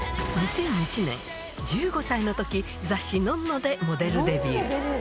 ２００１年、１５歳のとき、雑誌、ノンノでモデルデビュー。